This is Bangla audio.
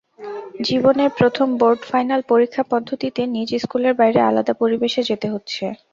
জীবনের প্রথম বোর্ড ফাইনাল পরীক্ষাপদ্ধতিতে নিজ স্কুলের বাইরে আলাদা পরিবেশে যেতে হচ্ছে।